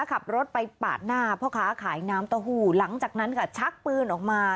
ขับรถไปปาดหน้าพ่อค้าขายน้ำเต้าหู้หลังจากนั้นค่ะชักปืนออกมา